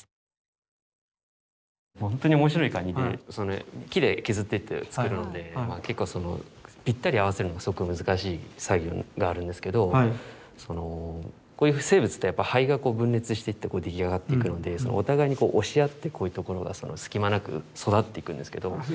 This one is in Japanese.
ほんとに面白いカニで木で削って作るので結構ぴったり合わせるのがすごく難しい作業があるんですけどこういう生物って胚が分裂していって出来上がっていくのでお互いに押し合ってこういうところは隙間なく育っていくんですけど。